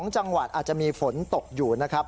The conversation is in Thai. จังหวัดอาจจะมีฝนตกอยู่นะครับ